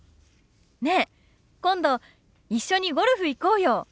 ねえ今度一緒にゴルフ行こうよ。